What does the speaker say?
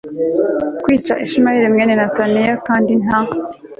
kwica ishimayeli mwene netaniya kandi nta